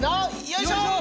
よいしょ！